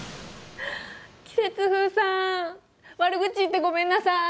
季節風さん悪口言ってごめんなさい。